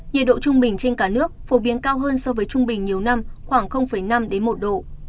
nhiệt độ trung bình trên cả nước phổ biến cao hơn so với trung bình nhiều năm khoảng năm một độ